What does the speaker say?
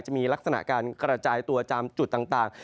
จะมีลักษณะการกระจายตัวตามจุดต่าง